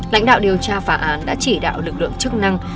lãnh đạo điều tra phá án đã chỉ đạo lực lượng chức năng